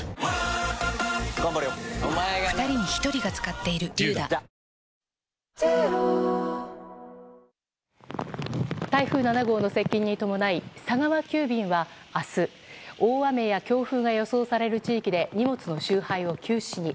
めまいにはオレンジの漢方セラピー台風７号の接近に伴い佐川急便は明日大雨や強風が予想される地域で荷物の集配を休止に。